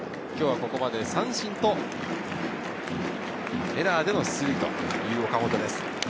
ここまで三振とエラーでの出塁という岡本です。